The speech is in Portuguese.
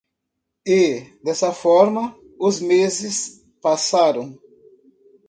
E? dessa forma? os meses passaram.